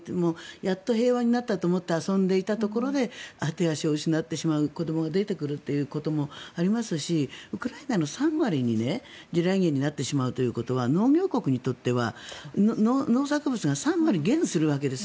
やっと平和になったと思ったら遊んでいたところで手足を失ってしまう子どもが出てくるということもありますしウクライナの３割が地雷原になってしまうということは農業国にとっては農作物が３割減するわけですよ。